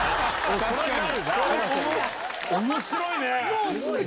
面白いね！